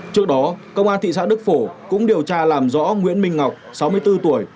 trước đó công an thị xã đức phổ cũng điều tra làm rõ nguyễn minh ngọc sáu mươi bốn tuổi